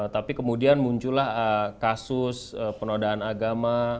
tapi kemudian muncullah kasus penodaan agama